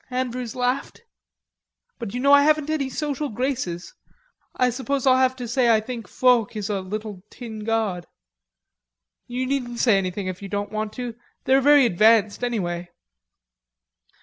Andrews laughed. "But you know I haven't any social graces.... I suppose I'll have to say I think Foch is a little tin god." "You needn't say anything if you don't want to.... They're very advanced, anyway."